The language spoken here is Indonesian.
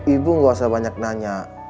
ibu gak usah banyak nanya